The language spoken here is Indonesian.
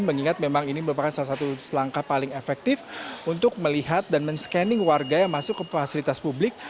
mengingat memang ini merupakan salah satu langkah paling efektif untuk melihat dan men scanning warga yang masuk ke fasilitas publik